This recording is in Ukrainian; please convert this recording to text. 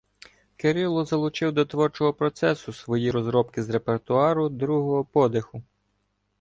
Кирило залучив до творчого процесу свої розробки з репертуару «Другого Подиху».